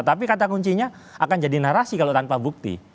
tapi kata kuncinya akan jadi narasi kalau tanpa bukti